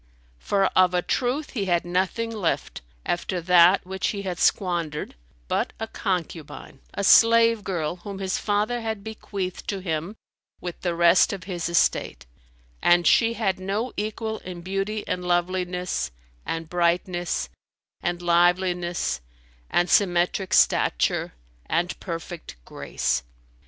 For of a truth he had nothing left, after that which he had squandered, but a concubine, a slave girl whom his father had bequeathed to him with the rest of his estate: and she had no equal in beauty and loveliness and brightness and liveliness and symmetric stature and perfect grace.